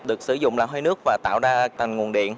được sử dụng làm hơi nước và tạo ra thành nguồn điện